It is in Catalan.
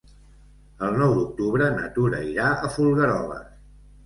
El nou d'octubre na Tura irà a Folgueroles.